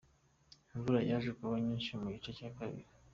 imvura yaje kuba nyinshi mu gice cya kabiri.